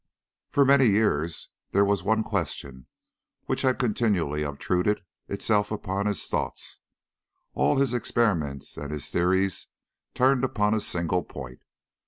For many years there was one question which had continually obtruded itself upon his thoughts. All his experiments and his theories turned upon a single point.